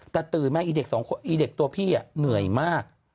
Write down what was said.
แต่ตื่นมาเด็กตัวพี่เหนื่อยมาก